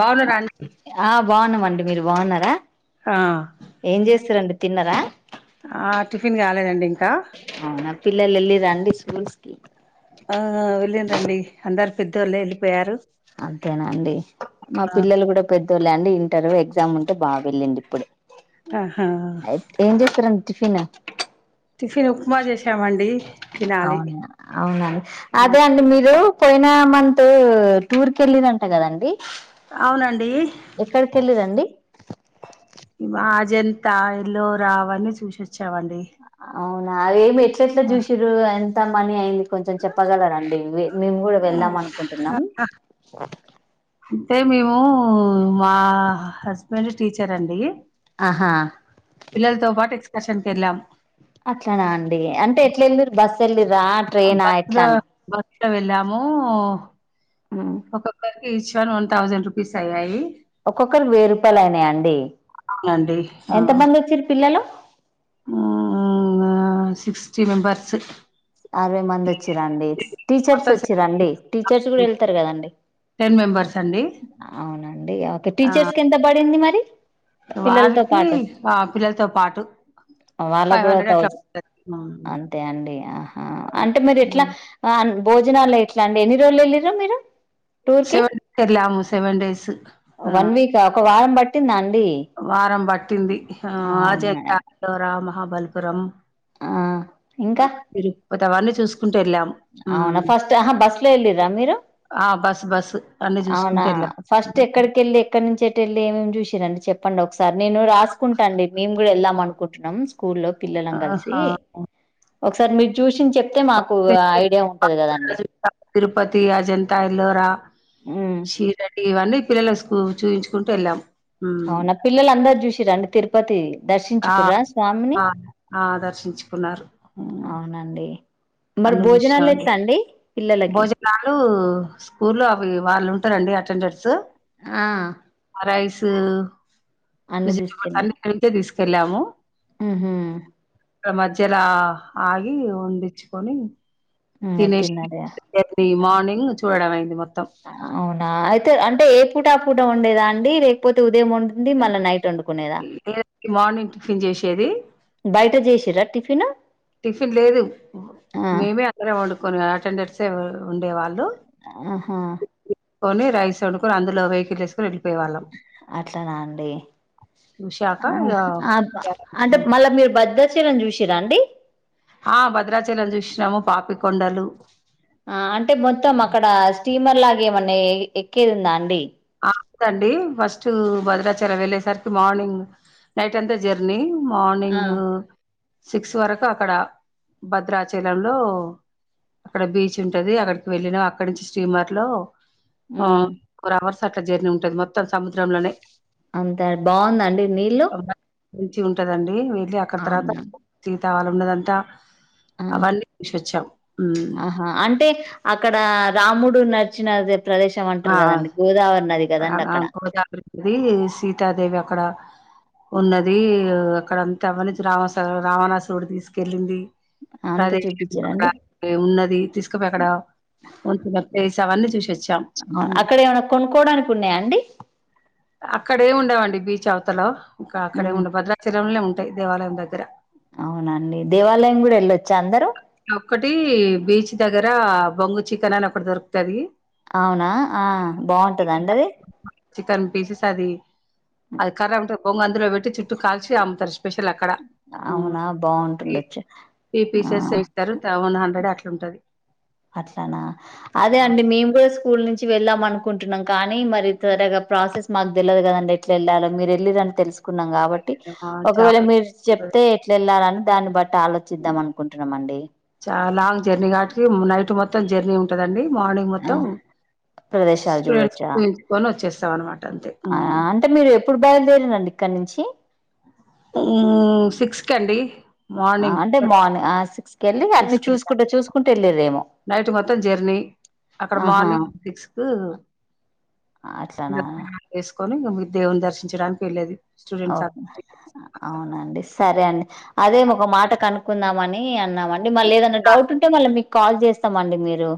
బాగున్నారా అండి ఆ బాగున్నామండి మీరు బాగున్నారా. ఆ ఏం చేస్తారంండి తిన్నరా. ఆ టిఫిన్ కాలేదండి ఇంకా అవునా పిల్లలు వెళ్ళ రండి స్కూల్స్కి. ఆ వెళ్ళండి అందరు పెద్దవాళ్ళు వెళ్ళిపోయారు. అంతేనా అండి మా పిల్లలు కూడా పెద్దోళ్ళ అండి ఇంటర్ూ ఎగ్జామ్ ఉంటే బాగా వెళ్ళిండి. ఇప్పుడు ఆహా ఏం చేస్తారండి టిఫిన్ టిఫిన్ ఉప్మా చెస్ అవును అవునండి అదే అండి మీరు పోయిన మంత్ టూర్ కి వెళ్ళిదంట కదండి అవునం ఎక్కడకి ఏల్లిరూ అండి జంతా ఎల్లో రావని చూసొచ్చావండి అ ఏమి ఎట్ల ఎట్లా చూసిరు ఎంత మనీ అయింది కొంచెం చెప్పగలరాండి మేము కూడ వెళ్దాం అనుకుంటున్నాం అయితే మేము మా హస్బెండ్ టీచర్ అండి ఆహా పిల్లలతో పాటు ఎక్స్కర్షన్కి వెళ్ళాం అట్లనా అండి అంటే ఎట్లా వెళ్ళిరు బస్సు వెళ్ళిరా ట్రైనా బస్ ఎట్లా లో అని బస్ లో వెళ్ళాము ఒకక్క each one one thousand rupees అయ్యాయి ఒక్కొక్కరికీ వెయ్యి రూపాయలు అయినాయా అండి అవునండి ఎంత ఆ మంది వచ్చారు పిల్లలు సిక్స్టీ మెంబర్స్ అరవై మంది వచ్చిరండి టీచర్స్ మొత్తం వచ్చి రండి టీచర్స్ కూడ వెళ్తారు కదండి టెన్ మేం అవునండి ఒకే ఆ టీచర్స్ కి ఎంత పడింది మరి పిల్లలతో వారికి పాటు ఆ పిల్లలతో పాటు వాళ్ళకు ఫైవ్ కూడా హండ్రెడ్ అట్ల థౌజండ్ పడ అంతే అండి ఆహా అంటే మీరు ఎట్లా భోజనాల్లో ఎట్లా అండి ఎన్ని రోజులు వెళ్ళిరు మీరు టూర్ కి సెవెన్ [unintelligible] సెవెన్ డేస్ ఆ వన్ వీకా ఒక వారం పట్టింద అం వారం పట్టింది ఆ అవునా [unintelligible] మహాబల్పురం ఆ ఇంకా పోతవన్నని చూసు అవునా ఫస్ట్ ఆహ బస్లో వెళ్ళిరా మీరు ఆ బస్సు బస్సు అన్ని అవునా చూసుకుంటూ వెళ్ళాము ఫస్ట్ ఎక్కడికి వెళ్ళి ఎక్కడి నుంచి వెళ్ళి ఏమేం చూసిరండి చెప్పండి ఒకసారి నేను రాసుకుంటా అండి మేము కూడా వెళ్దాం అనుకుంటున్నాం స్కూల్లో పిల్లలం కలిసి ఆహా ఒకసారి మీరు చూసింది చెప్తే మా కు ఐడియా ఉంటది కదండి తిరుపతి అ జంతా ఎల్లోర ఉమ్ [unintelligible] ఇవన్నీ పిల్లల చూపించుకుంటూ వెళ్ళాం హ్మ్. అవునా పిల్లల అందరు చూసి రండి తిరుపతి ఆ దర్శించుకురా స్వామిని ఆ అవునండి [unintelligible] మరి అన్నీ భోజనాలు చూసినామండి ఎట్లా అండి పిల్లలకి భోజనాలు స్కూలో అవి వాళ్ళు అండి అటెండన్స్ ఆ రైస్ అన్ని వెజిటబుల్స్ అన్ని తీసుకెళ్ళారు [unintelligible] తీసుకెళ్ళము ఉహు మధ్యలా ఆగి ఒండిచ్చుకొని ఇంగ తినేసి తిన్నారా మార్నింగ్ చూడడం అయింది మొత్తం అవునా అయితే అంటే ఏ పూట ఆ పూట ఉండేదా అండి లేకపోతే ఉదయం ఉం ఉండి మళ్ళా నైట్ వండుకునేదా లేదంటే మార్నింగ్ టిఫిన్ చేసేది బయట చేసిర టిఫిను టిఫిన్ లేదు మేమే అందరం వండుకొని అటెండెర్సే ఆహా ఉండేవాళ్ళుకొని రైస్ వండుకొని అందులో వెకిల్ వేసుకొని వాళ్ళం అట్లానా అండి చూశాక ఇగ ఆ అప్ అంటే మళ్ళా మీరు భద్రాచలం చూసిర్రా అండి ఆ భద్రాచలం చూసినము పాపికొండలు ఆ అంటే మొత్తం అక్కడ స్టీమర్ లాగా ఏమన్నా ఎక్కేది ఉందా అండి దండి ఫస్ట్ భద్రాచలం ఎళ్ళేసరికి మార్నింగ్ నైట్ అంతా జర్నీ ఆ మార్నింగ్ సిక్స్ వరకు అక్కడ భద్రాచలంలో అక్కడ బీచ్ ఉంటది అక్కడికి వెళ్ళినం అక్కడి నుంచి స్టీమర్ట్ లో ఆ ఉమ్ ఫోర్ అవర్స్ అట్లా జర్నీ ఉంటది మొ మొత్తం సముద్రంలోనే అంత బాగుందండి నీళ్ళు మంచిగ ఉంటదండి వెళ్ళి అక్కడ తర్వాత అవునా సితావాలి ఉన్నదంట ఆ అవన్ని చూశాం ఆహా అంటే అక్కడ రాముడు నచ్చినది ప్రదేశం అంటరు ఆ కదండి గోదావరి నది కదండి అక్కడ [unintelligible] సీతాదేవి అక్కడ ఉన్నది అక్కడంతా అవనించి రావాస రావణాసురుడు తీసుకెళ్ళింది. అంత ప్రదేశ [unintelligible] ఒక చూపించారండి ఉన్నది తీసుకపోయి అక్కడ ఉన్న ప్లేస్ అవన్నీ అక్కడే ఏమన్న కొనుకో అక్కడ ఏం ఉండవండి బీచ్ అవతలో ఇంకా ఉమ్ అక్కడేముండవు భద్రాచలంల్నే ఉంటయి దేవాలయం దగ్గర అవునా అండి దేవాలయం గుడా ఎళ్ళొచ్చా అందరు ఒకటి బీచ్ దగ్గర బొంగు చికెన్ అని ఒకటి దొరుకుతది అవునా ఆ బాగుంటదాండి అది చికెన్ పీసెస్ అది అది కర్ర ఉంటది బొంగు అందులో పెట్టి చుట్టూ కాల్చి అమ్ముతరు స్పెష షల్ అక్కడ ఆ అవునా బాగుంటుండొచ్చు త్రీ ఆ పీసస్ తరు సెవన్ హండ్రెడ్ అట్లా ఉంటది అట్లానా అదే అండి మేము గుస్ స్కూల్ నుంచి వెళ్ళామ అనుకుంటున్నాం కానీ మరి త్వరగా ప్రాసెస్ మాకు తెలవదు కదండి ఎట్లా ఎళ్ళాలో మీరు ఎళ్ళీర్రాని తెలుసు కున్నాం కాబట్టి ఆ ఒకవేళ చాలా మీరు చెప్తే ఎట్ల ఎళ్ళారని దాని బ అంటే ఆలోచిద్దాం అనుకుంటున్నామండి చాలా లాంగ్ జర్నీ కావట్టికి నైట్ మొత్తం జర్నీ ఉంటదండి. మార్నింగ్ ఆ మొత్తం ప్రదేశాలు స్టూడెంట్స్ చూడొచ్చా తీసుకొని వచ్చేస్తం అనమాట అంతే ఆ మ్మ్ అంటే మీరు ఎప్పుడు బయలుదేరిలండి ఇక్కడ నుంచి హ్మ్ సిక్స్ కండి ఆ మార్నింగ్ అంటే మార్నింగ్ ఆ సిక్స్ కి ఎళ్ళి సిక్స్ అన్ని కి చూసుకుంట చూసుకుంట ఏళ్ళిరేమో నైట్ మొత్తం జెర్నీ అక్కడ ఆహా మార్నింగ్ సిక్స్ కు అట్లానా [unintelligible] మీర్ దేవుని దర్శించడానికి ఏళ్ళేది ఓక్ అవునండి సరే అండి అదే ఒక మాట కనుక్కుందామని అన్నామండి మళ్ళీ ఏదైన్నా డౌట్ ఉంటే మళ్ళ మి కాల్ చేస్తమండి మీరు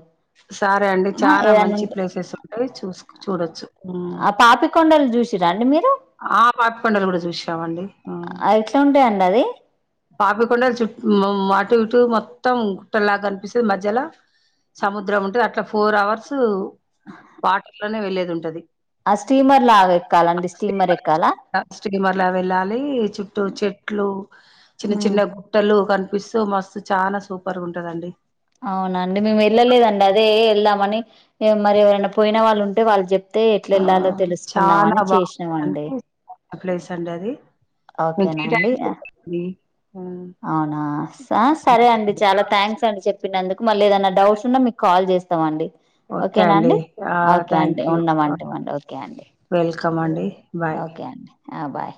సరే అండి చాలా ఏదన్నా మంచి ఉంటే ప్లేసెస్ ఉంటయి చూస్ చూడొచ్చు హ్మ్ చ్చిరా అండి మీరు ఆ పాపి కొండలు గుడా చూషి ఎట్లా ఉంటాయండి అవి పాపికొండలు చుట్ హ్మ్ అటు ఇటు మొత్తం గుట్టలాగా కనిపిస్తది మధ్యల సముద్రం ఉంటది అట్లా ఫోర్ అవర్స్ వాటర్ లోనే వెళ్లేది ఉంటది. ఆ స్టీమర్ లాగా ఎక్కాలండి స్టీమర్ ఎక్కాలా స్టిమర్లా వెళ్ళాలి చుట్టు చెట్లు చిన్న ఉమ్, చిన్న గుట్టలు కనిపిస్తూ మస్తు చానా సూపర్ ఉంటదండి. అవునండి మేము వెళ్ళలేదండి అదే ఎళ్దామని ఏ మరి ఎవరైనా పోయిన వాళ్ళు ఉంటే వాళ్ళు చెప్ అయితే ఎట్ల ఆ వెళ్లాలో చాలా తెలుసుకుందామని చేసినామండి తండది ఓకేనా అండి [unintelligible] మ్మ్ అవునా ఆ సరే అండి చాలా థ్యాంక్స్ అండి చెప్పినందుకు. మళ్ళీ ఏదైనా డౌట్స్ ఉన్నా మీకు కాల్ చేస్తామండి. ఓకే అండి ఓకేనాండి ఓకే థ్యాంక్ అండి యూ ఉన్నామ అంటే ఇ్వండి ఓకే అండి వెల్కమ్ అండి బాయ్ ఓకే అండి ఆ బాయ్